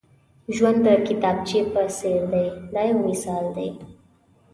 ژوند د کتابچې په څېر دی دا یو مثال دی.